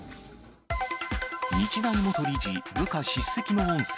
日大元理事、部下叱責の音声。